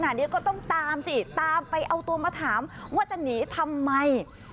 นี้ก็ต้องตามสิตามไปเอาตัวมาถามว่าจะหนีทำไม